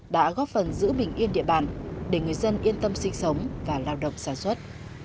đã góp phần giữ bình yên địa bàn để người dân yên tâm sinh sống và lao động sản xuất